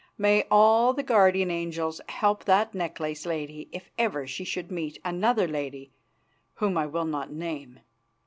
May all the guardian angels help that necklace lady if ever she should meet another lady whom I will not name.